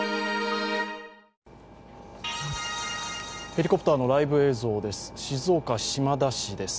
ヘリコプターのライブ映像です。